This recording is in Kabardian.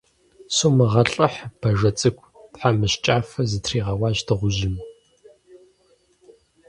- Сумыгъэлӏыхь, бажэ цӏыкӏу, - тхьэмыщкӏафэ зытригъэуащ дыгъужьым.